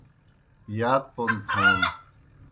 یات پوْن تھون